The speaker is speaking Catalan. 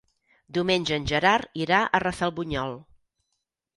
Diumenge en Gerard irà a Rafelbunyol.